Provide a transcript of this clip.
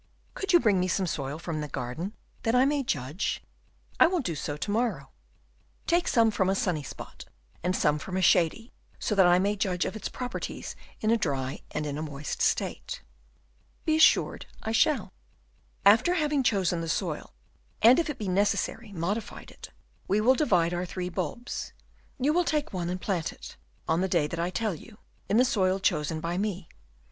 "Could you bring me some soil from the garden, that I may judge?" "I will do so to morrow." "Take some from a sunny spot, and some from a shady, so that I may judge of its properties in a dry and in a moist state." "Be assured I shall." "After having chosen the soil, and, if it be necessary, modified it, we will divide our three bulbs; you will take one and plant it, on the day that I will tell you, in the soil chosen by me.